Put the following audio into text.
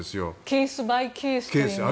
ケースバイケースという。